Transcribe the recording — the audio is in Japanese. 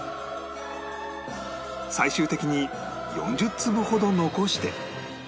最終的に４０粒ほど残して